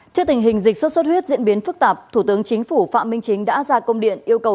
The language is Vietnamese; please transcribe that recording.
trước tình hình dịch sốt xuất huyết diễn biến phức tạp thủ tướng chính phủ phạm minh chính đã ra công điện yêu cầu